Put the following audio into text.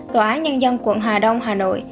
tòa án nhân dân quận hà đông hà nội